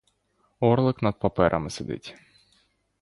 Орлик над паперами сидить.